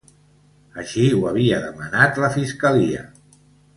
Així ho havia demanat la fiscalia.